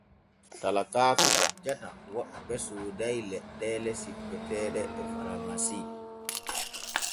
Talakaaku accata woɓɓe sooday leɗɗeele sippeteeɗe e faramasi.